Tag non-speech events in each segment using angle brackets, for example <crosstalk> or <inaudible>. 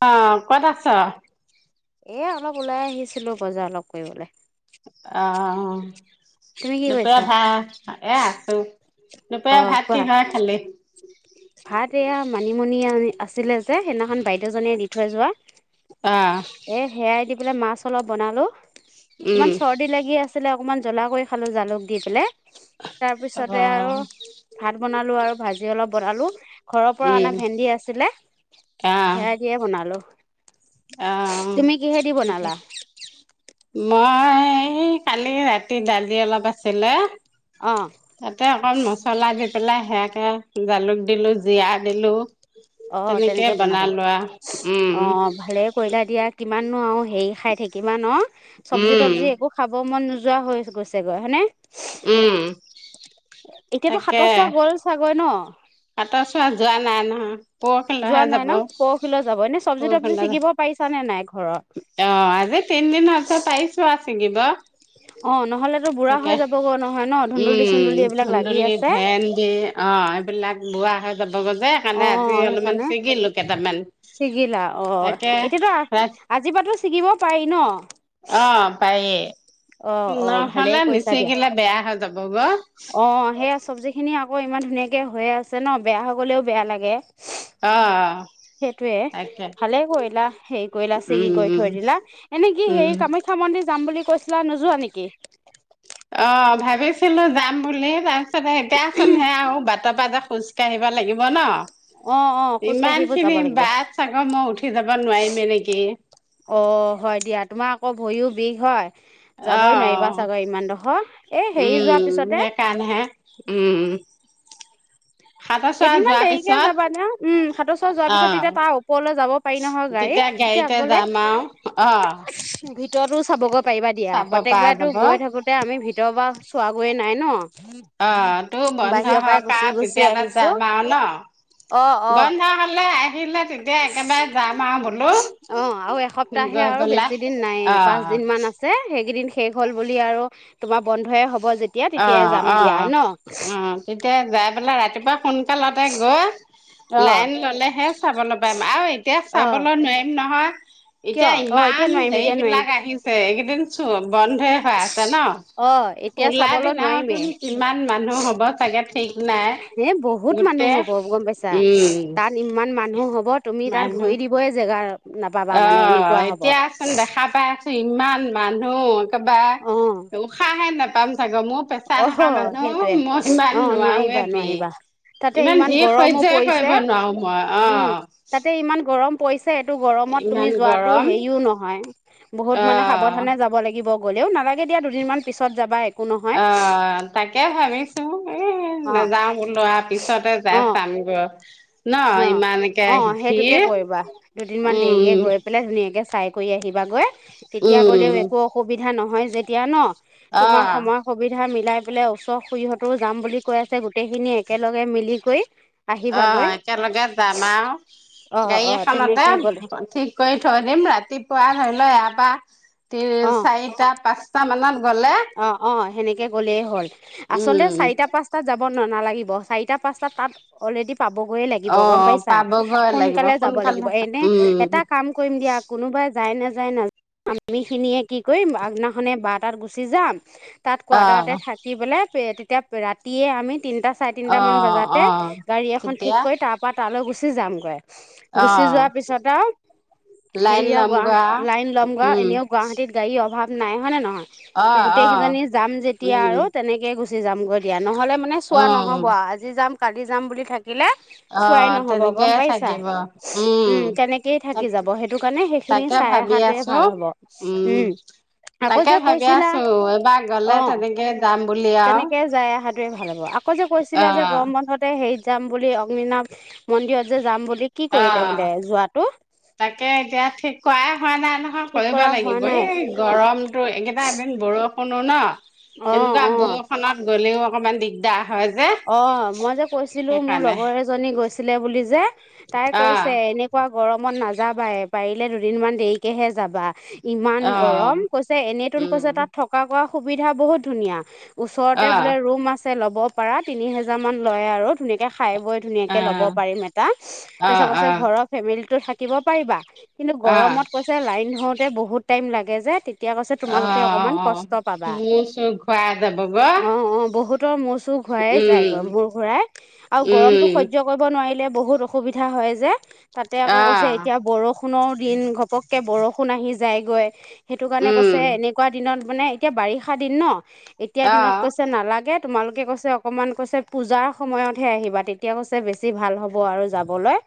অ ক'ত আছ? এই অলপ ওলাই আহিছিলোঁ বজাৰ অলপ কৰিবলে। আহ তুমি কি দুপৰীয়া কৰিছা? ভাত এই আছোঁ। অ দুপৰীয়া ভাত কোৱা। কিহেৰে খালে? ভাত এইয়া মানিমুনি আজি আছি লে যে সেইদিনা খন বাইদেউ জনিয়ে দি থৈয় যোৱা অ', এই হেয়াই দি। মাছ অলপ বনালোঁ। অকমান উম, চৰ্দি লাগি আছিলে অকনমান জ্বলা কৰি খালোঁ জালুক দি পেলাই। তাৰপিছতে আৰু অ', ভাত বনালোঁ আৰু ভাজি অলপ বনালোঁ ঘৰৰ পৰা উম, অনা ভেন্দি আছিলে। হেয়াই দিয বনালোঁ। আহ ঠিক বনালা? আছে। মই এই কালি ৰাতি দালি অলপ আছিলে। অ তাতে অকণ মছলা দি পেলাই হেইয়াকে জালুক দিলোঁ, জিৰা দিলোঁ। অ তেনেকেই তেনেকে বনালা। বনলোৱা উম, উম। কইলা দিয়া কিমাননো আৰু হেৰি খাই থাকিম আহ ন চব্জি উম, তব্জি একো খাব মন নোযোৱা। যোৱা হৈ গৈছেগৈ হয় নে? উম। এতিয়াতো সাতৰ চোৱা গল চাগৈ ন? হাতৰ চোৱা যোৱা নাই নহয়। যোৱা পৰহিলৈহে নাই যাব, ন, পৰহিলৈ যাব। এনে চব্জি-তব্জি পৰহিলৈ ছিঙিব পাৰিছা নে নাই ঘৰত? অ' আজি তিনিদিন হৈছে পাৰিছো আ ছিগিব। অ', নহ'লেতো বুঢ়া হৈ তাকে, যাবগৈ নহয় ন ধুন্দুলি উম! চুন্দুলি এইবিলাক লাগি ধুন্দুলী, আছে। ভেণ্ডি, অ' এইবিলাক ৰুৱা। আহ, সেইকাৰণে। ছিগিলো কেইটামান ছিগিলা? তাকে অ' এতিয়াতো আজিৰ পৰাতো ছিগিব পাৰি ন। অ' পাৰিয়ে। অ' অ' ভালেই কৰিছা দিয়া। বেয়া হৈ যাব গৈ অ' সেইয়া চব্জি খিনিয়ে আ আকৌ ইমান ধুনীয়াকে হৈয়ে আছে ন, বেয়া হয় গলেও বেয়া লাগে। অ'। সেইটোয়ে তাকে ভালে কৰিলা, হেৰি কৰিলা ছিগি উম কৰি উম থৈ দিলা। এনে কি উম হেৰি কামাখ্যা মন্দিৰ যাম বুলি কৈছিলা, নোযোৱা নেকি? অ' ভাবিছিলো যাম বুলি, তাৰপিছত এটিয়াচোন <unintelligible> তাৰপা যে খোজকাঢ়িব লাগিব ন। অ অ ইমান খোজকাঢ়িব যাব খিনি লাগিব বাট আকৌ মই উঠি যাব নোৱাৰিমে নেকি। অ' হয় দিয়া। তোমাক, আকৌ ভৰিও বিষ হয়, যাবই নোৱাৰিবা অ চাগৈ ইমানডোখৰ। এই হেৰি যোৱাৰ পিছতে, হে! উম। সাতচৰা কেইদিনমান যোৱাৰ দেৰিকে পিছত যাবা ন, উম! হাতৰ চোৱা যোৱাৰ অ পিছত তেতিয়া তাৰ ওপৰলৈ যাব পাৰি নহয় গাড়ী। তেতিয়া গাড়ীতে আগলে যাম আৰু অ ভিতৰতো চাব গৈ পাৰিবা দিয়া, চাব পৰা প্ৰত্যেকবাৰেতো যাব গৈ থাকোতে আমি ভিতৰ বা চোৱা গৈয়ে নাই ন অ তোৰ বন্ধ বাহিৰৰ পৰাই হক গুচি আও গুচি তেতিয়া এটা আহিছো যাম বাও ন অ অ বন্ধ হলে আহিলে তেতিয়া একেবাৰে যাম আও বোলো অ আৰু গৈ পেলাই অ অ কিছুমান আছে সেইকেইদিন শেষ হ'ল বুলি আৰু তোমাৰ বন্ধ হব যেতিয়া অ তেতিয়াই যাম অ দিয়া ন অ তেতিয়া যাই পেলাই ৰাতিপুৱা সোনকালতে গৈ অ লাইন ল'লেহে চাবলৈ পাৰিম আও এতিয়া চাবলৈ নোৱাৰিম নহয় কিয় এতিয়া অ এতিয়া ইমান নোৱাৰিম হেৰি এতিয়া নোৱাৰিম বিলাক আহিছে এইকেইদিন বন্ধই হৈ আছে ন অ এতিয়া খোলা চাবলৈ দিনা নোৱাৰিমেই হতোন কিমান মানুহ হ'ব চাগে ঠিক নাই এ বহুত মানুহ গোটেই হ'ব গম পাইছা উম তাত ইমান মানুহ হব তুমি তাত মানুহ ভৰি দিবই জেগা নাপাবা অ মানে এনেকুৱা হ'ব এতিয়াচোন দেখা পাই আছ ইমান মানুহ অ একেবাৰে উশাহে নোপাম চাগ মোৰ পেচা অহ থকা মানুহ সেইটোৱে মই ইমান অ নোৱাৰোয়ে নোৱাৰিবা নোৱাৰিবা তাতে ভ ইমান ভিৰ গৰমো হৈয্য পৰিছে কৰিব নোৱাৰো মই অ। পইছে এইটো গৰমত তুমি ইমান যোৱাটো গৰম হেৰিও নহয় বহুত মানে অ', সাৱধানে যাব লাগিব। গ'লেও নালাগে দিয়া দুদিনমান পিছত যাবা একো নহয়। অ', তাকে ভাবিছো। এ অ নাযাওঁ বোলো আও পিছতে যাই অ চামগৈ। ন অ', ইমানকে অ', সেইটোকে ভিৰ কৰিবা দুদিনমান উম, দেৰিকে গৈ পেলাই ধুনীয়াকে চাই কৰি আহিবাগৈ তেতিয়া উম, গ'লেও একো অসুবিধা নহয় যেতিয়া ন। তোমাৰ অ', সময় সুবিধা মিলাই পোলে ওচৰ খুৰী হতেও যাম বুলি কৈ আছে গোটেইখিনি একেলগে মিলি কৰি অ', আহিবাগৈ। একেলগে যাম আৰু। অ গাড়ী অ এখনতে তেনেকে গ'লে ঠিক কৰি থৈ দিম ৰাতিপুৱা ধৰি লও ইয়াপা তি অ চাৰিটা পাঁচটা মানত গ'লে অ', অ', সেনেকে গলে হল আচলতে উম, চাৰিটা পাঁচটাাত যাব ব নালাগিব চাৰিটা পাঁচটাত তাত অলৰেডী পাবগৈয়ে লাগিব গম অ', পাইছা পাবগৈ লাগিব সোনকালে যাব লাগিব সোনকালে এনে উম, এটা কাম কৰিম দিয়া কোনোবাই যায় নাযায় নাযায় আমি খিনিয়ে কি কৰিম আগদিনাখনে বাৰ তাত গুচি যাম তাত কোৱাৰ্টাৰতে অ', থাকি পেলাই তেতিয়া ৰাতিয়ে আমি তিনিটা চাৰে তিনটা মান অ', বজাতে অ', গাড়ী এখন ঠিক তেতিয়া কৰি তাৰ পৰা তালৈ গুচি যামগৈ। গুচি অ', যোৱাৰ পিছত আৰু লাইন হেৰিয়া গুৱ লমগা লাইন ল'ম গা উম এনেও গুৱাহাটীত গাড়ী অভা নাই হয় নে নহয় অ গোটেই অ কেইজনি যাম যেতিয়া উম আৰু তেনেকে গুচি যামগৈ দিয়া। নহ'লে মানে চোৱা উম নহ'ব আজি যাম কালি যাম বুলি থাক থাকিলে অ চোৱাই নহব গম তেনেকেই পাইছা থাকিব উম তেনেকেই থাকি তাক যাব সেইটো কাৰণে শেষ খিনি তাকে চাই ভাবি আহাটোৱে আছো ভাল হব। উম আকৌ তাকে যে ভাবি কৈছিলা আছো এইবাৰ গলে অ', তেনেকে যাম বুলি আৰু তেনেকে যাই আ হাটোৱে ভাল হ'ব আকৌ যে অ কৈছিলা যে গৰম বন মুতে হেৰিত যাম বুলি অগ্নিনাঠ মন্দিৰত যে যাম বুলি কি অ কৰিলে বোলে যোৱাতো? তাকে এতিয়া ঠিক কৰা হোৱা নাই নহয় ঠিক কৰিব কৰা হোৱা লাগিব নাই এই গৰমটো এইকেইটা এদিন বৰষুণো ন অ', এনেকুৱা অ'। বৰষুণত গ'লেও অকমান দিগদাৰ। হয় যে অ', মই যে কৈছিলো মোৰ সেইকাৰণে লগৰ এজনী গৈছিলে বুলি যে তাই অ কৈছে এনেকুৱা গৰমত নাযাবাই পাৰিলে দুদিনমান দেৰিকেহে যাবা। ইমান অ গৰম কৈছে এনেইতন উম কৈছে তাত থকা কৰা সুবিধা বহুত ধুনীয়া। ওচৰতে অ বোলে ৰুম আছে ল'ব পাৰা তিনি হেজাৰ মান লয় আৰু ধুনীয়াকে। খাই বৈ অ', ধুনীয়াকে ল'ব পাৰিম এটা অ', তাৰছে অ', ঘৰৰ ফেমিলিটো থাকিব পাৰিবা। কিন্তু অ', গৰমত কৈছে লাইন ধৰতে বহুত টাইম লাগে যে এতিয়া কৈছে তোমালোকে অকমান অ', কষ্ট পাবা মোৰ চুৰ ঘূৰাই যাব গৈ, অ অ বহুতৰ মোৰচু ঘূৰাই যায় উম, গম বোৰ ঘৰাই আৰু গৰমতো উম, হৈজ্য কৰিব নোৱাৰিলে বহুত অসুবিধা হয় যে। তাতে আকৌ কৈছে অ', এতিয়া বৰষুণৰ দিন ঘপককে বৰষুণ আহি যায়গৈ। সেইটো কাৰণে উম, কৈছে এনেকুৱা দিনত মানে এতিয়া বাৰিষা দিন ন এতিয়া দিনত অ', কৈছে নালাগে। তোমালোকে কৈছে অকমান কৈছে পূজাৰ সময়তহে আহিবা তেতিয়া কৈছে বেছি ভাল হ'ব আৰু যাবলৈ।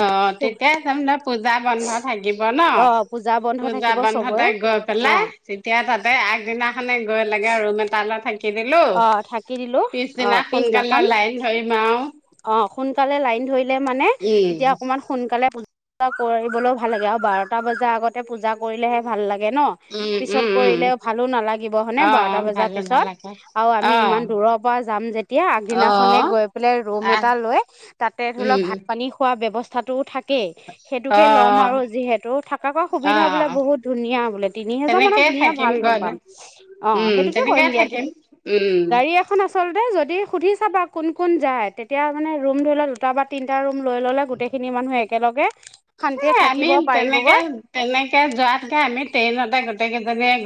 অ', তেতিয়াই চাম দে পূজা বন্ধ থাকিব ন। অ পূজা বন্ধ পূজা থাকিব বন্ধতে চবৰে গৈ অ পেলাই তেতিয়া তাতে আগদিনাখনে গৈ লাগে ৰুম এটালৈ থাকি কি দিলো অ থাকি দিলো অ পিছদিনা পিছদিনাখন সোনকালে লাইন ধৰিম আৰু। অ', সোনকালে লাইন ধৰিলে মানে উম, তেতিয়া অকমান সোনকালে পজা কৰিবলৈও ভাল লাগে আৰু বাৰটা বজাৰ আগতে পূজা কৰিলেহে ভাল লাগে। লাগে ন উম, পিছত উম, উম, কৰিলে ভালো নালাগিব হয়নে বাৰটা অ', বজাৰ ভালো পিছত। নালাগে, আৰু আমি অ', ইমান দূৰৰ পৰা যাম যেতিয়া আগদিনাখনে অ', গৈ পেলাই ৰুম আহ, এটা লৈ তাত তাতে ধৰি লওক উম, ভাত পানী খোৱা ব্যৱস্থাটোও থাকে তাকেই সেইটোকে ল'ম অ', আৰু যিহেতু থকা কৈ সুবিধা বোলে অ', বহুত ধুনীয়া বোলে তিনি হেজাৰ মানত তেনেকেই ধুনীয়া থাকিম ভাল ৰম গৈ পাম অ উম, সেইটোকে কৰিম তেনেকেই দিয়া থাকিম উম, গাড়ী এখন আচলতে যদি সুধি চাবা কোন কোন যায় তেতিয়া মানে ৰুম ধৰি লোৱা দুটা বা তিনটা ৰুম লৈ ল'লে গোটেইখিনি মানুহে একেলগে কে এ আমি তেনেকে তেনেকে যোৱাতকে আমি ট্ৰেইনতে গোতেক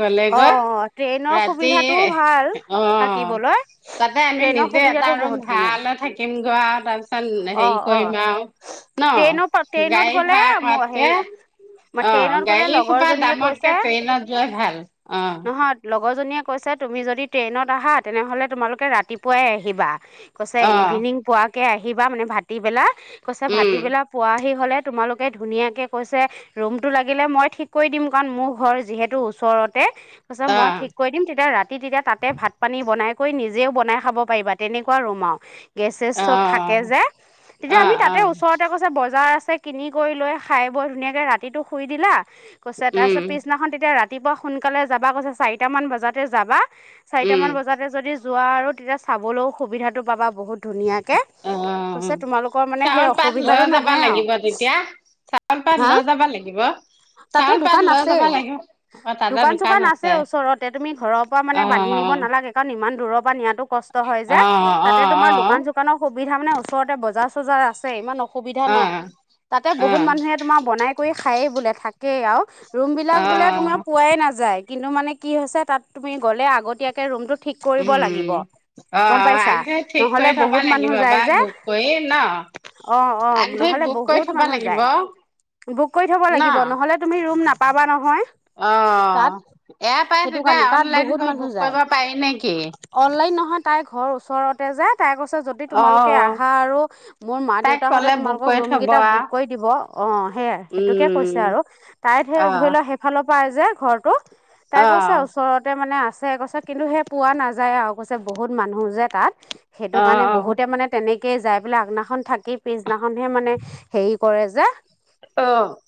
গলে অ গৈ ট্ৰেইনৰ ৰাতি সুবিধাটোও ভাল অ থাকিবলৈ তাতে আমি ট্ৰেইনৰ নিজে এটা সুবিধাটো ৰৰুম বহুত ধুনীয়া ভালে থাকিম গ আৰু তাৰ পিছত অ হেৰি অ কৰিম আৰু ন ট্ৰেইনৰ ট্ৰেইনত গাই ভ গ'লে খোৱাতকে হেৰি অ ট্ৰেইনত গ'লে গাড়ী খোপা লগৰজনীয়ে দামতকে কৈছে ট্ৰেইনত যোৱাই ভাল অ', নহয় লগৰজনীয়ে কৈছে তুমি যদি ট্ৰেইনত আহা তেনেহ'লে তোমালোকে ৰাতিপুৱাই আহিবা কৈছে অ', ইভিনিং পোৱাকে আহিবা মানে ভতিবেলা কৈছে উম, ভতিবেলা পুৱ আহি হ'লে তোমালোকে ধুনীয়াকৈ কৈছে ৰুমটো লাগিলে মই ঠিক কৰি দিম কাৰণ মোৰ ঘৰ যিহেতু ওচৰত তছ মই অ', ঠিক কৰি দিম তেতিয়া ৰাতি তেতিয়া তাতে ভাত পানী বনাই কৰিৈ নিজেও বনাই খাব পাৰিবা তেনেকুৱা ৰুমাও গেছে চব থাকে অ', যে তেতিয়া আমি অ', তাতে অ', ওচৰতে কৈছ বজাৰ কিনি কৰি লৈ খাই বৰ ধুনীয়াকৈ ৰাতিটো শুই দিলা কৈছে উম, তাৰপিছত পিছদিনাখন তেতিয়া ৰাতিপুৱা সোনকালে যাবা কৈছে চাৰিটামান বজাতে যাবা উম, চাৰিটামান বজাতে যদি যোৱা আৰু তেতিয়া চাবলৈও সুবিধাটো পাবা বহুত ধুনীয়াকে অ'। কৈছে তোমালোকৰ মানে সেই চাউল পাত অসুবিধাো নহয় আৰু চউল পাৰ হা ল যাব লাগিব তাতে চাউল পাত দোকান লৈ আছে যাবা লাগিব অ দাদা দোকান চোকান আছে ওচৰতে তুমি ঘৰৰ পৰা মানে অ বান্ধি কিনিব নালাগে কাৰণ ইমান া অ অ অ ম আছে ইমান অসুবিধা অ নাই তাতে অ বহুত মানুহে তোমাৰ বনাই কৰি খায়েই বোলে থাকেই আৰু ৰুমবিলাক অ বোলে তোমি পোৱাই নাযায় কিন্তু মানে কি হৈছে তাত তুমি গ'লে আগতীয়াকে ৰুমটো ঠিক কৰিব উম লাগিব অ গম পাইছা আগে ঠিক নহলে কৰি থবা বহুত মানুহ লাগিব যায় বা যে বুক কৰি ন অ অ আগে নহ'লে বুক কৰি বহুত থবা মানুহ লাগিব যায় ল ন নহলে তুমিম নাপাবা নহয় অ তাত ইয়াৰ পৰাই সেইটো তেতিয়া কাৰণে তাত অনলাইন বহুত কৰি মানুহ বুক যায় কৰিব পাৰি নেকি অনলাইন নহয় হ তাইৰ ঘৰ ওচৰত তাই কৈছে যদি অ তোমালোকে আহা আৰু মোৰ মা তাইক দেউতা সতে কলে বুক তোমালোকক কৰি ৰুম থব কেইটা আ বুক কৰি দিব অ সেয়াই সেইটোকে উম কৈছে আৰু তাই অ ধৰি লও সেইফালৰ পৰাই যে ঘৰটো অ তাই কৈছে ওচৰতে মানে আছে কৈছে কিন্তু সেই পোৱা নাযায় আৰু কৈছে বহুত মানুহ যে তাত সেইটো অ কাৰণে বহুতে মানে তেনেকে যাই পেলাই আগদিনাখন থাকি পিছনাখনহে মানে হেৰি কৰে যে অ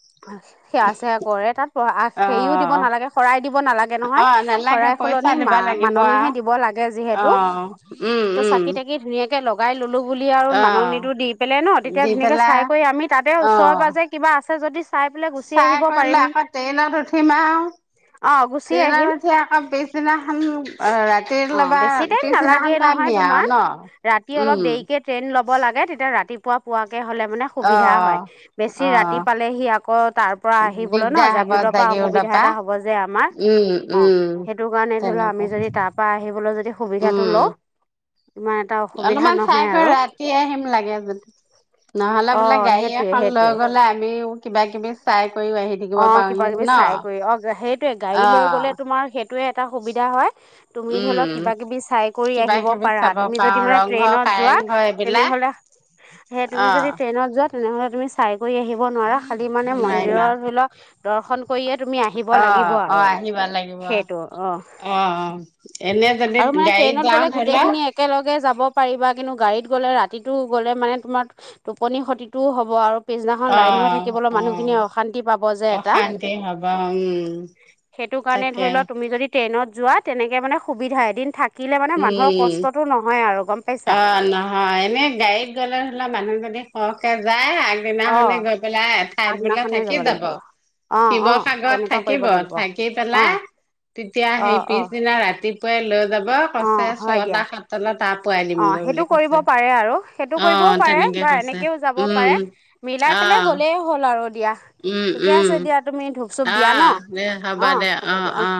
সেৱা চেৱা কৰে তাত অ হেৰিও দিব নালাগে শৰাই দিব নালাগে অ নহয় নালাগে পইচা দিবা লাগিব আও অ উম উম শৰাই <unintelligible> ললো বুলি আৰু অ মাননিটো দি পেলাই ন তেতিয়া দি ধুনকে পেলাই চাই কৰি আমি তাতে অ ওচৰৰ পৰা যে কিবা যদি চাই পেলাই গুচি চাই আহিব পাৰিম কৰিলে আকৌ ট্ৰেইনত উঠিমা আৰু অঁ গুচি আহিম ট্ৰেইনত উঠি আকৌ পিছদিনাখন অ অঁ ৰাতিলবা বেছি টাইম নালাগে পিছদিনাখন প নহয় ন তোমাৰ ন ৰাতি অলপ উম দেৰিকে ট্ৰেইন লব লাগে তেতিয়া ৰাতি পোৱা পোৱাকে হলে মানে অ সুবিধা হয় অ বেছি ৰাতি পালেহি আকৌ তাৰ পৰা আহিবলৈ ন দিগদাৰ হ'ব জাগিতৰ পৰা জাগি উঠা অসুবিধা পা এটা হব যে আমাৰ উম অ উম সেইটো কাৰণে ধৰি লও তেনেকে আমি যদি তাৰ পৰা আহিবলৈ যদি সুবিধাটো উম ল অলপমান চাই কৰি ৰাতি আহিম লাগে, <unintelligible> নহ'লে বোলে অঁ গাড়ী সেইটোৱে এখন সেইটোৱে লৈ গ'লে আমিও কিবা কি অ', কিবা কিবি চাই কৰি, অ', সেইটোয়ে গাড়ী লৈ অ', গ'লে তোমাৰ সেই সেইটোয়ে এটা সুবিধা হয় তুমি ধৰি ল' উম, কিবা কিবি চাই কৰি কিবা আহিব কিবি পাৰা, চাব তুমি যদি পাৰো মানে ৰংঘৰ ট্ৰেইনত যোৱা কাৰেংঘৰ এইবিলাক তেনেহ'লে হেই তুমি যদি অ', ট্ৰেইনত যো তেনেহ'লে তুমি চাই কৰি আহিব নোৱাৰা, খালি মানে নোৱাৰিম মন্দিৰৰ আৰু ধৰি ল' দৰ্শন কৰিয়ে তুমি আহিব লাগিব অ', আৰু, অ', আহিব লাগিব সেইটো অ' অ', এনে যদি আৰু মানে গাড়ীত ট্ৰেইনত যাওঁ গ'লে ধৰি লও গোটেইখিনি একেলগে যাব পাৰিবা। কিন্তু গাড়ীত গ'লে ৰাতিটো গ'লে মানে তোমাৰ টোপনি ক্ষতিটোও হ'ব আৰু পিছদিনাখন লাইন হৈ অ', থাক অ', মানুহখিনিয়ে অশান্তি পাব যে, এটা। অশান্তি হ'ব উম, সেইটোকাৰণে তাকে ধৰি লোৱা তুমি যদি ট্ৰেইনৰ যোৱা তেনেকে মানে সুবিধা এদিন থাকিলে মানে মানুহৰ উম, কষ্টটো নহয় আৰু। গম পাইছা অ', নহয়, এনেই গাড়ীত গ'লে ধৰি লোৱা মানুহ যদি সৰহকে যায় অ আগদিনাখনে গৈ পেলাই এঠাইত বোলে আগদিনাখনে থাকি যাব। লাগিব অ অ শিৱসাগৰত তেনেকুৱা থাকিব, কৰিব লাগিব থাকি অ পেলাই তেতিয়া অ সেই অ পিছদিনা ৰাতিপুৱাই লৈ যাব, অ কৈছে হয় ছয়টা দিয়া সাতটা তাপ অ' সেইটো কৰিব পাৰে, আৰু সেইটো অ কৰিবও পাৰে তেনেকে বা কৈছে এনেকেও যাব পাৰে উম মিলাই অ পেলাই গ'লে হ'ল আৰু। দিয়া উম ঠিকে উম, আছে দিয়া তুমি ধূপ চুপ দিয়া ন আহ দে হ'ব অ দে হ'ব অ' দিয়া অ'।